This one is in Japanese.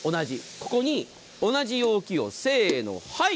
ここに同じ容器をせーの、はい。